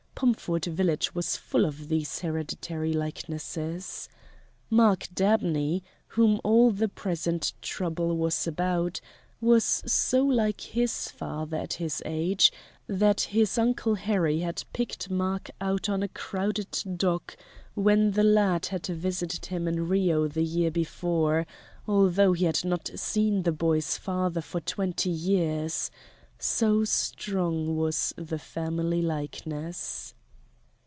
Pomford village was full of these hereditary likenesses. Mark Dab ney, whom all the present trouble was about, was so like his father at his age that his Uncle Harry had picked Mark out on a crowded dock when the lad had visited him in Rio the year before, although he had not seen the boy's father for twenty years so strong was the family likeness.